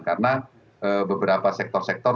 karena beberapa sektor sektor